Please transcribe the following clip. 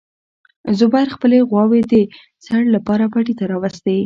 زبیر خپلې غواوې د څړ لپاره پټي ته راوستې.